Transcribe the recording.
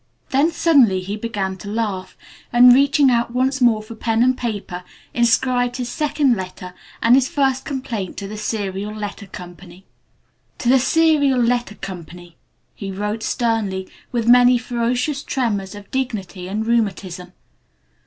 Then suddenly he began to laugh, and reaching out once more for pen and paper, inscribed his second letter and his first complaint to the Serial Letter Co. "To the Serial Letter Co.," he wrote sternly, with many ferocious tremors of dignity and rheumatism.